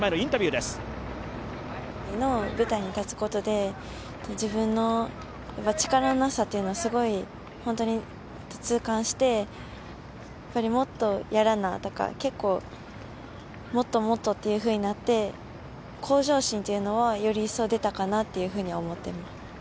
駅伝の舞台に立つことで自分の力のなさというのをすごい痛感して、もっとやらなとかもっともっとというふうになって、向上心というのはより一層出たかなとは思っています。